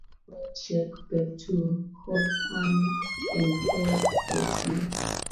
Batman brought Jack back to Gotham and cared for Tim.